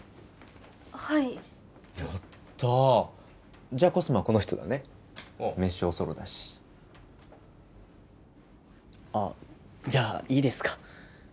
はいやったじゃあコスモはこの人だねメッシュおそろだしあっじゃあいいですか？